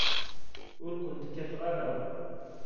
Ur kent-kkateɣ ara.